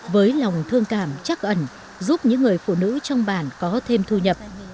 với lòng thương cảm chắc ẩn giúp những người phụ nữ trong bản có thêm thu nhập